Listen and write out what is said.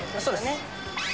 そうです。